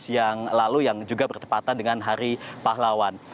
yang lalu yang juga bertepatan dengan hari pahlawan